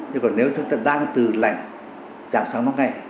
nhưng còn nếu chúng ta đang từ lạnh chạm sáng mất ngay